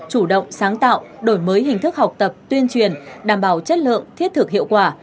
chủ động sáng tạo đổi mới hình thức học tập tuyên truyền đảm bảo chất lượng thiết thực hiệu quả